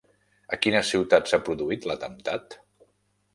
A quina ciutat s'ha produït l'atemptat?